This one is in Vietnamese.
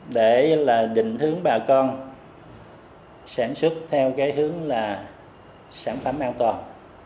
để định hướng bà con sản xuất theo hướng sản phẩm an toàn